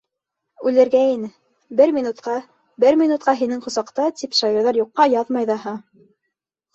«...үлергә ине, бер минутҡа, бер минутҡа һинең ҡосаҡта» тип шағирҙар юҡҡа яҙмай ҙаһа.